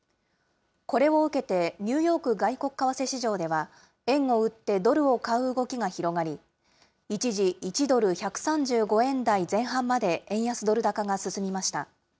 これを受けて、ニューヨーク外国為替市場では、円を売ってドルを買う動きが広がり、一時、１ドル１３５円台前半まで円安ドル高が進みました。